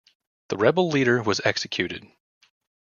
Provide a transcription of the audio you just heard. The rebel leader was executed.